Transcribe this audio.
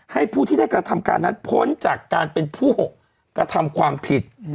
ผู้ที่ได้กระทำการนั้นพ้นจากการเป็นผู้กระทำความผิด